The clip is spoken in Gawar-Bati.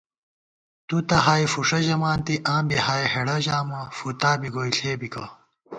تُو تہ ہائے فُوݭہ ژمانتی آں بی ہائے ہېڑہ ژامہ فُتا بی گوئی ݪے بِکہ